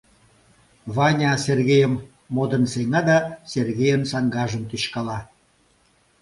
Ваня Сергейым модын сеҥа да Сергейын саҥгажым тӱчкала.